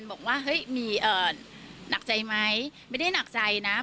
บอกว่าเฮ้ยมีหนักใจไหมไม่ได้หนักใจนะ